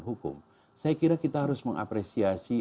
hukum saya kira kita harus mengapresiasi